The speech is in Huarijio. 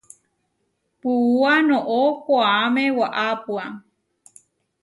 Puúa noʼó koaʼme waʼapua.